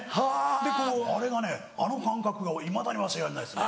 でこうあれがねあの感覚がいまだに忘れられないですね。